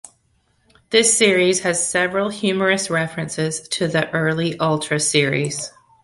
This series has several humorous references to the early Ultra Series.